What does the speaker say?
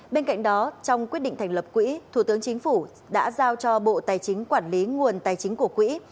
bên cạnh đó trong quyết định thành lập quỹ thủ tướng chính phủ đã giao cho bộ tài chính quản lý nguồn tài chính của quỹ